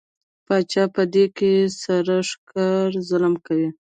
پاچا په دې کار سره ښکاره ظلم کوي.